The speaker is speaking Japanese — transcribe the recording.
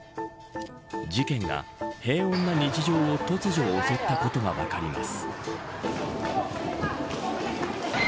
事件が平穏な日常を突如襲ったことが分かります。